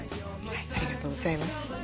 ありがとうございます。